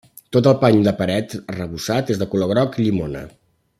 Tot el pany de paret arrebossat, és de color groc llimona.